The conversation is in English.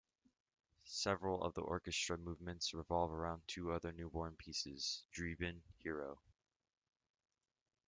Several of the orchestral movements revolve around two other Newborn pieces: Drebin - Hero!